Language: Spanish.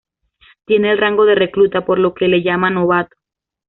Tiene el rango de recluta, por lo que le llaman novato.